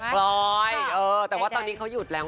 พลอยแต่ว่าตอนนี้เขาหยุดแล้ว